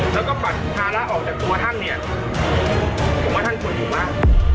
แล้วก็ปัดภาระออกจากตัวท่านเนี่ยผมว่าท่านควรอยู่มาก